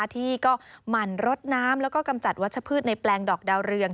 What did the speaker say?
ที่ก็หมั่นรดน้ำแล้วก็กำจัดวัชพืชในแปลงดอกดาวเรือง